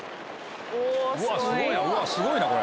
おすごい。